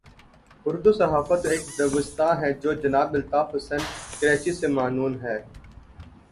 اردو صحافت کا ایک دبستان ہے جو جناب الطاف حسن قریشی سے معنون ہے۔